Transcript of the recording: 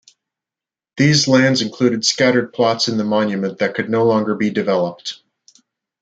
These lands included scattered plots in the Monument that could no longer be developed.